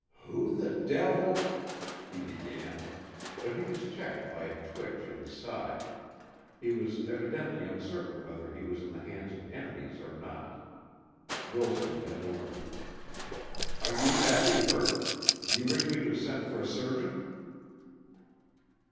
"Who the devil " he began. But he was checked by a twitch in his side. He was evidently uncertain whether he was in the hands of enemies or not. Wilson bent over him. "Are you badly hurt? Do you wish me to send for a surgeon?"